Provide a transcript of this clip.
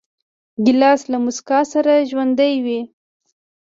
ګیلاس له موسکا سره ژوندی وي.